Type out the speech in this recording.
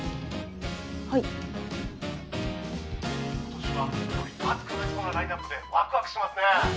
はい「今年はより熱くなりそうなラインナップでわくわくしますね」